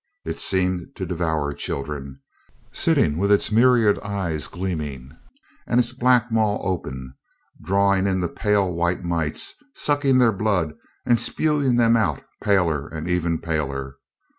It seemed to devour children, sitting with its myriad eyes gleaming and its black maw open, drawing in the pale white mites, sucking their blood and spewing them out paler and ever paler.